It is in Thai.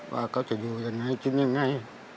ว่าเขาจะอยู่อย่างไรจิ้นอย่างไร